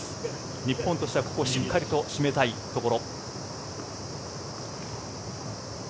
日本としてはしっかりと締めたいところ。